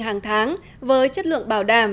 hàng tháng với chất lượng bảo đảm